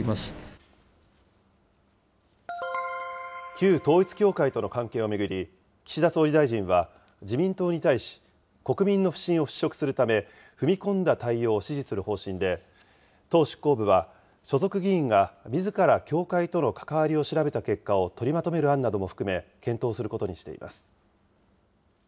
旧統一教会との関係を巡り、岸田総理大臣は、自民党に対し、国民の不信を払拭するため、踏み込んだ対応を指示する方針で、党執行部は所属議員がみずから教会との関わりを調べた結果を取りまとめる案なども含め、検討することにしています。